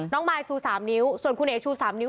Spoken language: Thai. มายชู๓นิ้วส่วนคุณเอ๋ชู๓นิ้